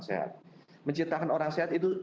sehat menciptakan orang sehat itu